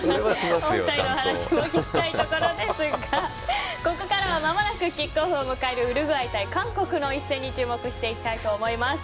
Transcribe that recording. お二人の話も聞きたいところですがここからは間もなくキックオフを迎えるウルグアイ対韓国の一戦に注目していきたいと思います。